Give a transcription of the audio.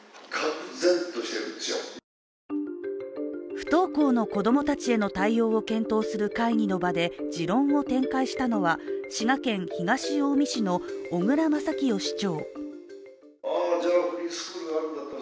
不登校の子供たちへの対応を検討する会議の場で持論を展開したのは滋賀県東近江市の小椋正清市長。